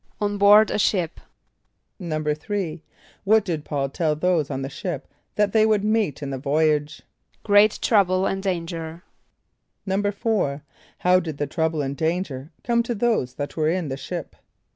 =On board a ship.= =3.= What did P[a:]ul tell those on the ship that they would meet in the voyage? =Great trouble and danger.= =4.= How did the trouble and danger come to those that were in the ship?